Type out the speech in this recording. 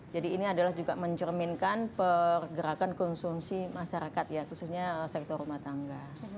jadi ini adalah juga mencerminkan pergerakan konsumsi masyarakat ya khususnya sektor rumah tangga